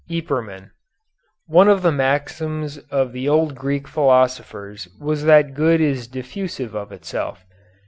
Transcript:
YPERMAN One of the maxims of the old Greek philosophers was that good is diffusive of itself.